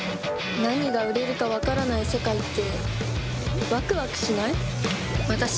何が売れるか分からない世界ってワクワクしない？